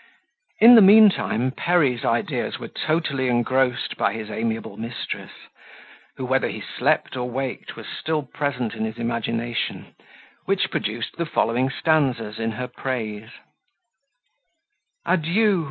In the mean time, Perry's ideas were totally engrossed by his amiable mistress, who, whether he slept or waked, was still present in his imagination, which produced the following stanzas in her praise: Adieu!